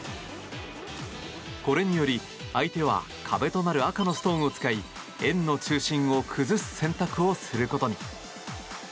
これにより相手は壁となる赤のストーンを使い円の中心を崩す選択をすることに。